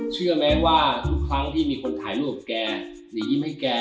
เชื่อไหมว่าทุกครั้งที่มีคนถ่ายรูปกับแก